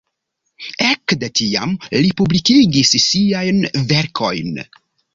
Ekde tiam li publikigis siajn verkojn.